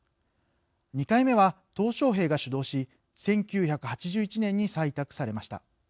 ２回目は、とう小平が主導し１９８１年に採択されました。